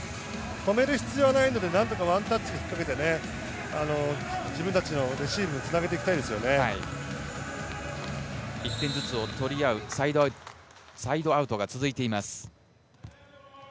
止める必要はないので何とかワンタッチかけてね、自分たちのレシ１点ずつを取り合うサイドアウトが続いています。